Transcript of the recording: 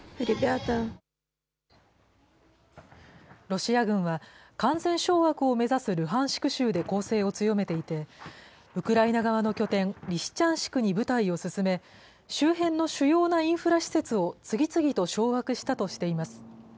ロシア軍は、完全掌握を目指すルハンシク州で攻勢を強めていて、ウクライナ側の拠点、リシチャンシクに部隊を進め、周辺の主要なインフラ施設を次々と掌握したとしています。